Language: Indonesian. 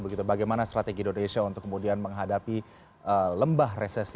bagaimana strategi indonesia untuk kemudian menghadapi lembah resesi